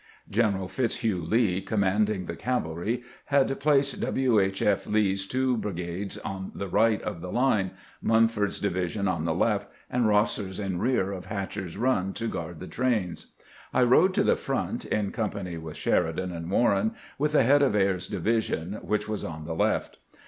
General Fitz hugh Lee, commanding the cavalry, had placed W. H. F. Lee's two brigades on the right of the line, Munford's division on the left, and Eosser's in rear of Hatcher's Run, to guard the trains. I rode to the front, in com pany with Sheridan and Warren, with the head of Ayres's division, which was on the left.